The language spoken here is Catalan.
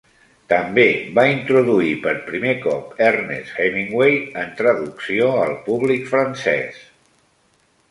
També va introduir per primer cop Ernest Hemingway en traducció al públic francès.